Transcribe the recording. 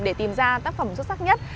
để tìm ra tác phẩm xuất sắc nhất